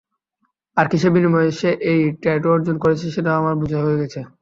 আর কিসের বিনিময়ে সে এই ট্যাটু অর্জন করেছে সেটাও আমার বুঝা হয়ে গেছে।